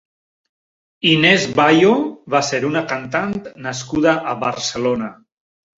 Inés Bayo va ser una cantant nascuda a Barcelona.